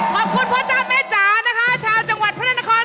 ขอบคุณครับ